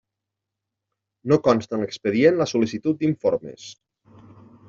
No consta en l'expedient la sol·licitud d'informes.